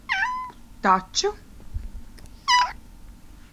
Ta?u